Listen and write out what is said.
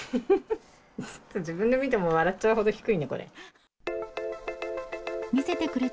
自分で見ても笑っちゃうほど低いね、これ。